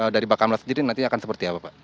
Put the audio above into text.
dari bakamlah sendiri nantinya akan seperti apa pak